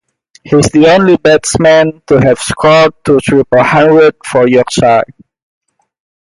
He is the only batsman to have scored two triple hundreds for Yorkshire.